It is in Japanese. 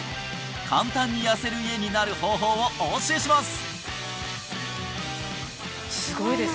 簡単に痩せる家になる方法をお教えします！